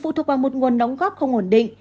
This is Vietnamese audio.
phụ thuộc vào một nguồn đóng góp không ổn định